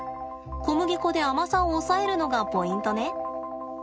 小麦粉で甘さを抑えるのがポイントね。